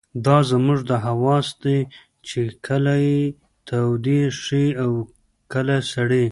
دا زموږ حواس دي چې کله يې تودې ښيي او کله سړې.